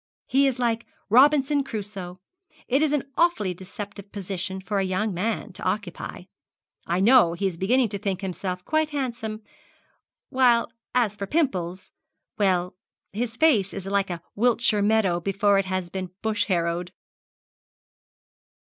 He is like Robinson Crusoe. It is an awfully deceptive position for a young man to occupy. I know he is beginning to think himself quite handsome, while as for pimples well, his face is like a Wiltshire meadow before it has been bush harrowed.'